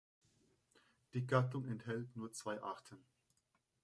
Die Gattung enthält nur zwei Arten.